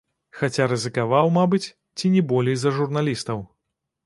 Хаця рызыкаваў, мабыць, ці не болей за журналістаў.